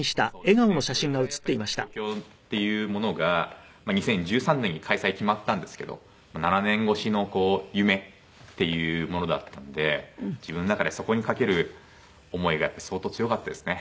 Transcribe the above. それぐらいやっぱり東京っていうものが２０１３年に開催決まったんですけど７年越しの夢っていうものだったので自分の中でそこに懸ける思いがやっぱり相当強かったですね。